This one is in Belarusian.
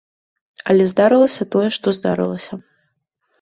Але здарылася тое, што здарылася.